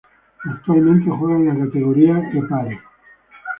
Actualmente juega en la Kategoria e Parë.